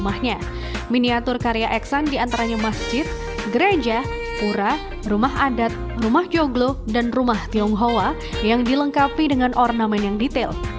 miniatur karya eksan diantaranya masjid gereja pura rumah adat rumah joglo dan rumah tionghoa yang dilengkapi dengan ornamen yang detail